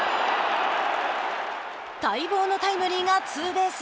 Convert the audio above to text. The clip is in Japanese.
待望のタイムリーがツーベース。